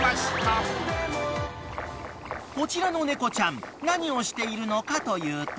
［こちらの猫ちゃん何をしているのかというと］